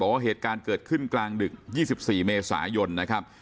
บอกว่าเหตุการณ์เกิดขึ้นกลางดึกยี่สิบสี่เมษายนนะครับ